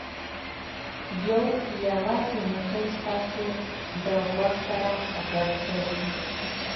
یو یوازې مچۍ ستاسو د غوږ سره غږ کوي